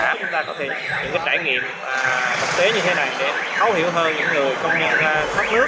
chúng ta có thể những trải nghiệm thực tế như thế này sẽ thấu hiểu hơn những người công nhân thoát nước